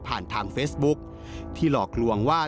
ทางเฟซบุ๊คที่หลอกลวงว่า